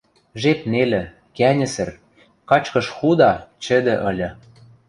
Жеп нелӹ, кӓньӹсӹр, качкыш худа, чӹдӹ ыльы.